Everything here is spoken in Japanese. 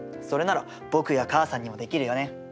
それなら僕や母さんにもできるよね。